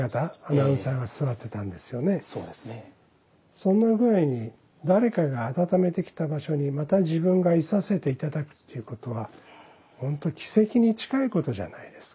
そんな具合に誰かが温めてきた場所にまた自分が居させて頂くっていうことは本当奇跡に近いことじゃないですか。